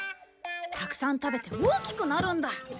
たくさん食べて大きくなるんだ！